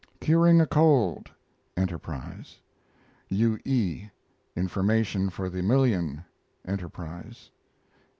CURING A COLD Enterprise. U. E. INFORMATION FOR THE MILLION Enterprise.